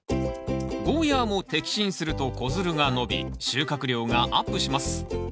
ゴーヤーも摘心すると子づるが伸び収穫量がアップします。